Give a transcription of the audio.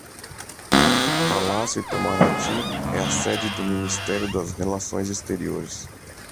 Palácio Itamaraty é a sede do Ministério das Relações Exteriores